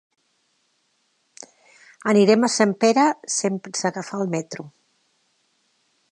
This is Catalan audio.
Anirem a Sempere sense agafar el metro.